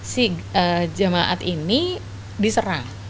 si jamaat ini diserang